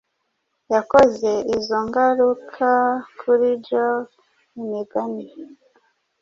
Yakoze izo ngaruka kuri Jove, imigani